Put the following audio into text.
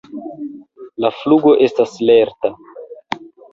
La flugo estas lerta.